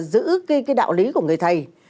giữ cái đạo lý của người thầy